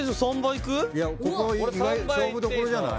ここは勝負どころじゃない？